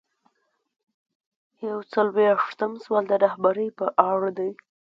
یو څلویښتم سوال د رهبرۍ په اړه دی.